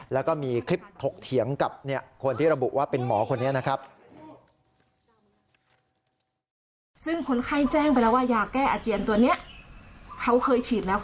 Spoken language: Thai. แล้วก็มีคลิปถกเถียงกับคนที่ระบุว่าเป็นหมอคนนี้นะครับ